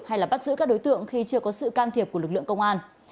hay là bắt giữ các đối tượng khi chưa có sự can thiệp của lực lượng công an